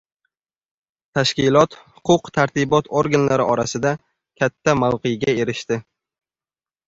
Tashkilot huquq-tartibot organlari orasida katta mavqega erishdi.